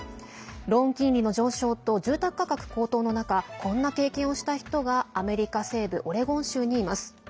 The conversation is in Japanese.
ローン金利の上昇と住宅価格高騰の中こんな経験をした人がアメリカ西部オレゴン州にいます。